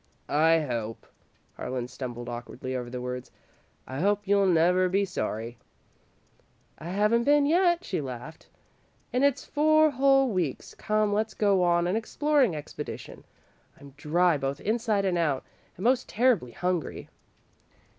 "I hope " Harlan stumbled awkwardly over the words "I hope you'll never be sorry." "I haven't been yet," she laughed, "and it's four whole weeks. Come, let's go on an exploring expedition. I'm dry both inside and out, and most terribly hungry."